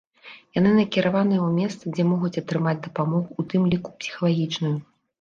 Яны накіраваныя ў месца, дзе могуць атрымаць дапамогу, у тым ліку псіхалагічную.